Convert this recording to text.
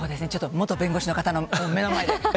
元弁護士の方の目の前で。